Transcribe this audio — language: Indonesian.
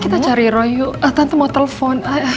kita cari roy yuk tante mau telepon